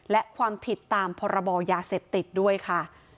และความผิดตามพรบยาเสพติดด้วยค่ะ